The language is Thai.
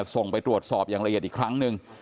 ส่งไปตรวจสอบอย่างละเอียดอีกครั้งหนึ่ง